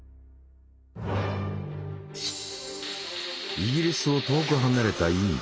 イギリスを遠く離れたインド。